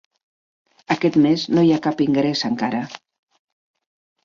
Aquest mes no hi ha cap ingrés encara.